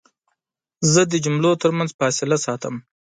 زه د جملو ترمنځ فاصله ساتم.